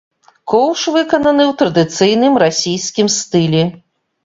Коўш выкананы ў традыцыйным расійскім стылі.